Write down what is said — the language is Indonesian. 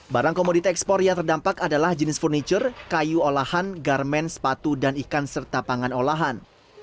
barang komoditi ekspor yang terdampak adalah jenis furniture kayu olahan garmen sepatu dan ikan serta pangan olahan